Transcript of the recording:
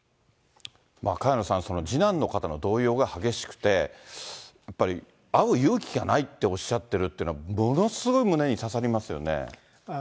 萱野さん、次男の方の動揺が激しくて、やっぱり会う勇気がないっておっしゃってるっていうのは、ものすごい胸に刺さりますよね。